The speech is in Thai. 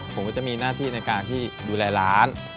ผมก็จะมีหน้าที่ในการที่ดูแลร้าน